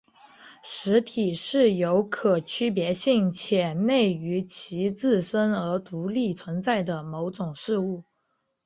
实体是有可区别性且内于其自身而独立存在的某种事物。